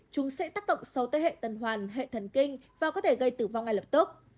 chúng sẽ tác động sâu tới hệ tần hoàn hệ thần kinh và có thể gây tử vong ngay lập tức